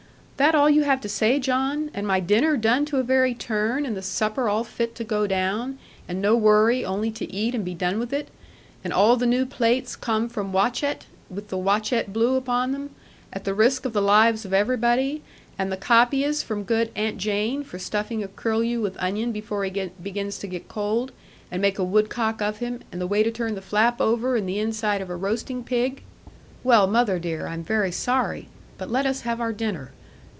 'That all you have to say, John! And my dinner done to a very turn, and the supper all fit to go down, and no worry, only to eat and be done with it! And all the new plates come from Watchett, with the Watchett blue upon them, at the risk of the lives of everybody, and the capias from good Aunt Jane for stuffing a curlew with onion before he begins to get cold, and make a woodcock of him, and the way to turn the flap over in the inside of a roasting pig ' 'Well, mother dear, I am very sorry. But let us have our dinner.